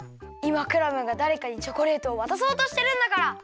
いまクラムがだれかにチョコレートをわたそうとしてるんだから！